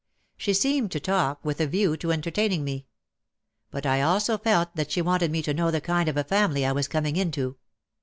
She seemed to talk with a view to entertaining me. But I felt also that she wanted me to know the kind of a family I was coming into.